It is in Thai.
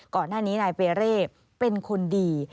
ก่อนหน้านี้นายเปเร่เป็นคนดี